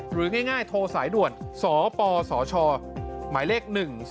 หรือง่ายโทรสายด่วนสปสชหมายเลข๑๔